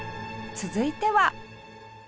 続いては